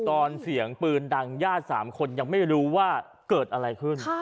ตอนเสียงปืนดังญาติ๓คนยังไม่รู้ว่าเกิดอะไรขึ้น